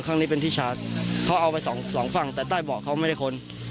ข้างนี้เป็นที่ชาร์จเขาเอาไปสองสองฝั่งแต่ใต้เบาะเขาไม่ได้ค้น